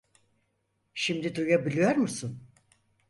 Şimdi duyabiliyor musun?